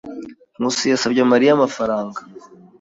Nkusi yasabye Mariya amafaranga.